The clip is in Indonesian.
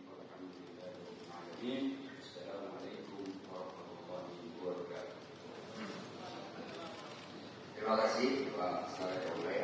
bapak ibu teman teman semuanya diberikan kesempatan untuk kita orang orang yang nanti menyebut nama dan jadi media maksimal